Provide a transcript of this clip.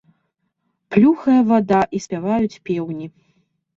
Плюхае вада і спяваюць пеўні.